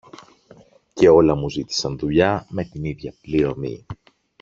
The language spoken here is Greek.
και όλα μου ζήτησαν δουλειά με την ίδια πληρωμή.